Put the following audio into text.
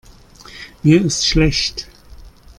Mir ist schlecht.